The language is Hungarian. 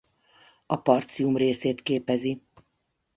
A Partium részét képezi.